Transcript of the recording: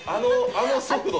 あの速度。